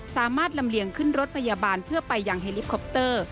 สามารถลำเลียงขึ้นรถพยาบาลเพื่อไปยังเฮลิคอปเตอร์